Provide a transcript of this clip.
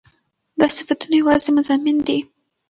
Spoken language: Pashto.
دا صفتونه يواځې مضامين دي